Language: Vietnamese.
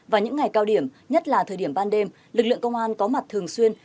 và những ngày cao điểm nhất là thời điểm ban đêm lực lượng công an có mặt thường xuyên